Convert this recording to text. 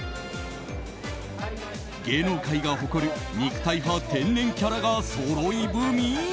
芸能界が誇る肉体派天然キャラがそろい踏み。